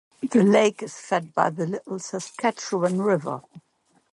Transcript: The lake is fed by the Little Saskatchewan River.